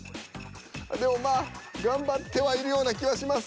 でもまあ頑張ってはいるような気はします。